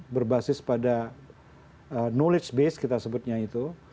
berbasis pada knowledge base kita sebutnya itu